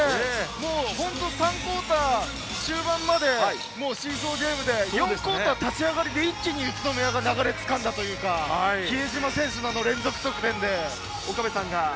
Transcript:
第３クオーター終盤までシーソーゲームで、第４クオーターの立ち上がりで一気に宇都宮が流れを掴んだというか、比江島選手の連続得点で。